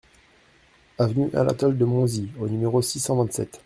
Avenue Anatole de Monzie au numéro six cent vingt-sept